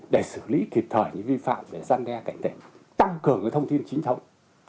để xử lý kịp thời những vi phạm để giăn đe cạnh tệ tăng cường những thông tin chính thống